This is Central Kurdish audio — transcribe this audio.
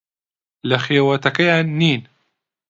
لە خێوەتەکەیان نین.